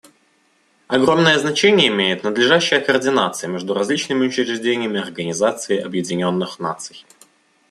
Огромное значение имеет надлежащая координация между различными учреждениями Организации Объединенных Наций.